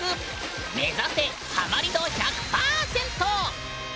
目指せハマり度１００％！